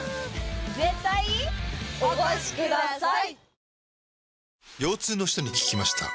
絶対お越しください！